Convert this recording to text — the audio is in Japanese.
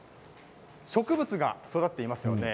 植物が育っていますよね。